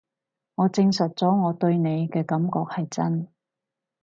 我證實咗我對你嘅感覺係真